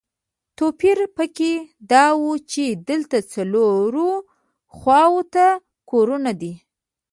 توپیر په کې دا و چې دلته څلورو خواوو ته کورونه دي.